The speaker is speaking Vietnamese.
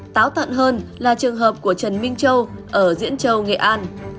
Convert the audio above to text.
táo tận hơn là trường hợp của trần minh châu ở diễn châu nghệ an